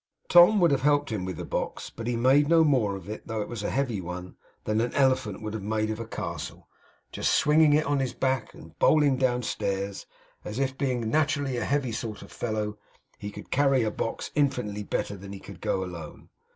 Tom would have helped him with the box, but he made no more of it, though it was a heavy one, than an elephant would have made of a castle; just swinging it on his back and bowling downstairs as if, being naturally a heavy sort of fellow, he could carry a box infinitely better than he could go alone.